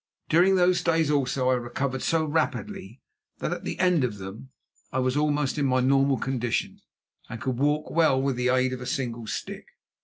During those days, also, I recovered so rapidly that at the end of them I was almost in my normal condition, and could walk well with the aid of a single stick.